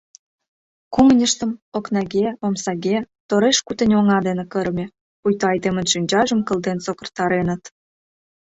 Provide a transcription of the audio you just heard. Кумыньыштым окнаге-омсаге тореш-кутынь оҥа дене кырыме, пуйто айдемын шинчажым кылден сокыртареныт.